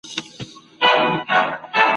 څومره بدبخته یم داچاته مي غزل ولیکل `